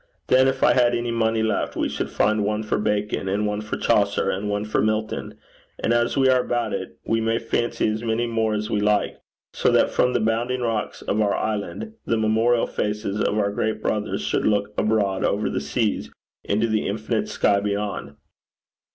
Then, if I had any money left, we should find one for Bacon, and one for Chaucer, and one for Milton; and, as we are about it, we may fancy as many more as we like; so that from the bounding rocks of our island, the memorial faces of our great brothers should look abroad over the seas into the infinite sky beyond.'